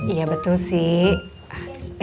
iya betul sih